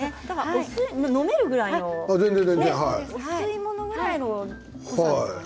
飲めるぐらいのお吸い物ぐらいの濃さですよね。